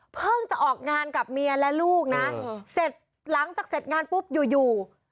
เพิ่งจะออกงานกับเมียและลูกนะหลังจากเสร็จงานปุ๊บอยู่